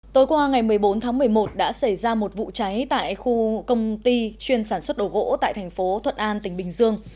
tối qua ngày một mươi bốn tháng một mươi một đã xảy ra một vụ cháy tại khu công ty chuyên sản xuất đồ gỗ tại thành phố thuận an tỉnh bình dương